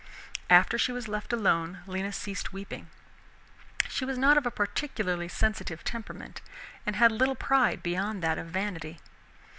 After she was left alone, Lena soon ceased weeping. She was not of a particularly sensitive temperament, and had little pride beyond that of vanity.